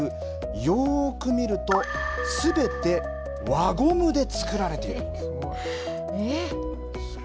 よーく見るとすべて輪ゴムで作られているんです。